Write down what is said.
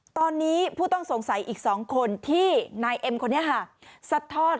ตอนนี้ผู้ต้องสงสัยอีก๒คนที่นายเอ็มคนนี้ค่ะซัดทอด